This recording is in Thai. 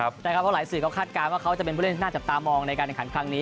เพราะหลายสื่อก็คาดการณ์ว่าเขาจะเป็นผู้เล่นที่น่าจับตามองในการแข่งขันครั้งนี้